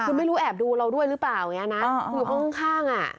คือไม่รู้แอบดูเราด้วยหรือเปล่าอย่างนี้นะอยู่ห้องข้างอ่ะ